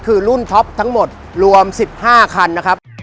คือรุ่นท็อปทั้งหมดรวม๑๕คัน